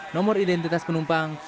nomor identitas penumpang